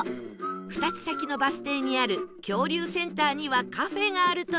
２つ先のバス停にある恐竜センターにはカフェがあるとの事